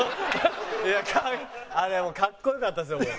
あれもかっこよかったですよ。